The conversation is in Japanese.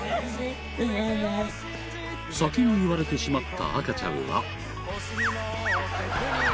先に言われてしまった赤ちゃんは。